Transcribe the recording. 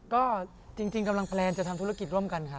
ก็จริงกำลังแพลนจะทำธุรกิจร่วมกันค่ะ